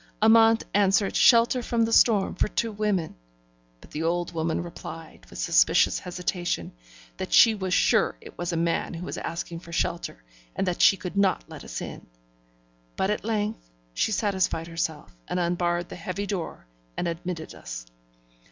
Amante answered shelter from the storm for two women; but the old woman replied, with suspicious hesitation, that she was sure it was a man who was asking for shelter, and that she could not let us in. But at length she satisfied herself, and unbarred the heavy door, and admitted us.